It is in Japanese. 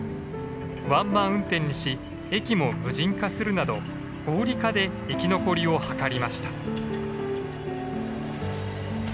ワンマン運転にし駅も無人化するなど合理化で生き残りを図りました。